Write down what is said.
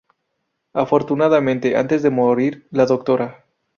Afortunadamente, antes de morir, la Dra.